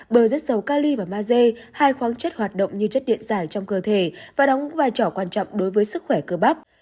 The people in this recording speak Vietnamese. bờ rất sâu kali và maze hai khoáng chất hoạt động như chất điện giải trong cơ thể và đóng vai trò quan trọng đối với sức khỏe cơ bắp